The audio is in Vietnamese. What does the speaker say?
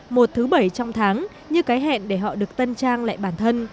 một thứ bảy trong tháng như cái hẹn để họ được tân trang lại bản thân